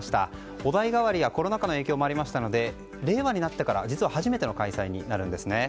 お代替わりやコロナ禍の影響もありましたので令和になってから初めての開催になるんです。